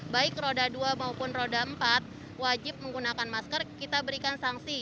baik roda dua maupun roda empat wajib menggunakan masker kita berikan sanksi